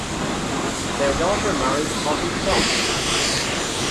Their daughter married Otto Thott.